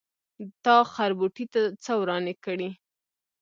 تا خربوټي څه ورانی کړی.